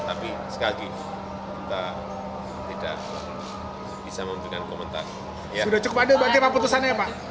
tapi sekali lagi kita tidak bisa memperkenalkan